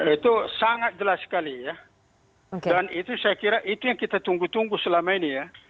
itu sangat jelas sekali ya dan itu saya kira itu yang kita tunggu tunggu selama ini ya